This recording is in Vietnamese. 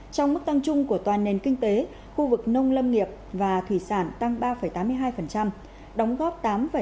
trong mức tăng chung của toàn nền kinh tế khu vực nông lâm nghiệp và thủy sản tăng ba tám mươi hai đóng góp tám ba mươi